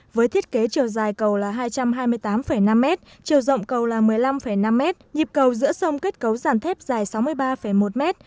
với thiết kế chiều dài cầu là hai trăm hai mươi tám năm m chiều rộng cầu là một mươi năm năm m nhịp cầu giữa sông kết cấu giàn thép dài sáu mươi ba một mét